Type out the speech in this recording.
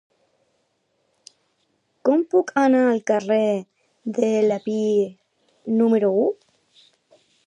Com puc anar al carrer de l'Epir número u?